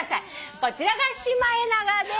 こちらがシマエナガです。